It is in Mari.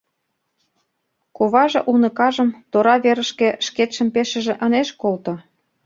Коваже уныкажым тора верышке шкетшым пешыже ынеж колто.